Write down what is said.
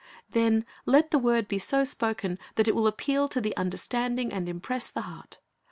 Then let the word be so spoken that it will appeal to the understanding and impress the heart.